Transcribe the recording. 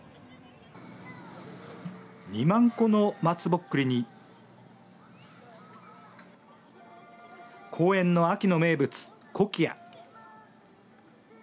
２万個の松ぼっくりに公園の秋の名物、コキア。